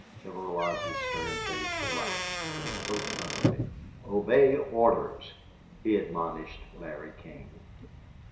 General Lodge's stern face relaxed, but he spoke firmly. "Obey orders," he admonished Larry King.